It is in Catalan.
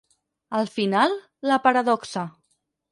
Al final, la paradoxa.